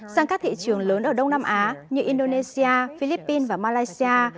sang các thị trường lớn ở đông nam á như indonesia philippines và malaysia